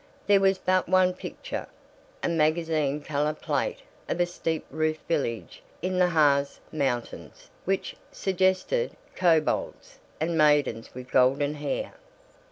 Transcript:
There was but one picture a magazine color plate of a steep roofed village in the Harz Mountains which suggested kobolds and maidens with golden hair.